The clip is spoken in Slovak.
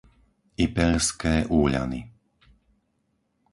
Ipeľské Úľany